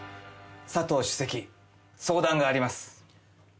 佐藤主席、相談があります。